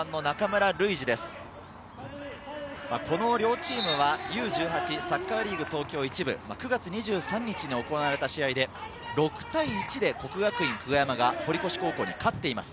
この両チームはＵ−１８サッカーリーグ東京１部、９月２３日に行われた試合で、６対１で國學院久我山が堀越高校に勝っています。